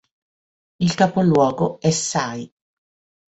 Il capoluogo è Say.